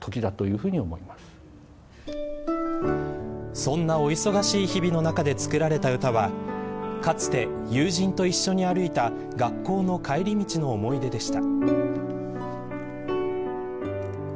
そんなお忙しい日々の中で作られた歌はかつて、友人と一緒に歩いた学校の帰り道の思い出でした。